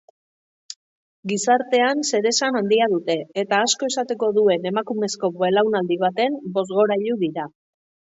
Gizartean zeresan handia dute eta asko esateko duen emakumezko belaunaldi baten bozgorailu dira.